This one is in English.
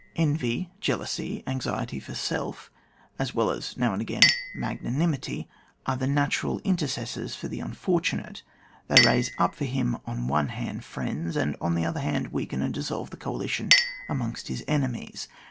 Envy, jea lousy, anxiety for self, as well as now and again magnanimity, are the natural in tercessors for the unfortunate ; they raise up for him on the one hand friends, and on the other hand weaken and dissolve the coalition amongst his enemies.